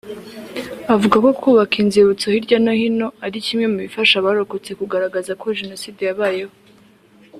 Avuga ko Kubaka inzibutso hirya no hino ari kimwe mu bifasha abarokotse kugaragaza ko Jenoside yabayeho